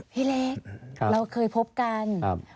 พี่เล็กเราเคยพบกัน